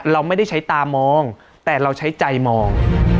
เราไม่ได้ใช้ตามองแต่เราใช้ใจมอง